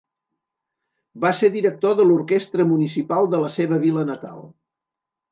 Va ser director de l'orquestra municipal de la seva vila natal.